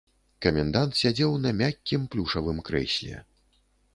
Камендант сядзеў на мяккім плюшавым крэсле.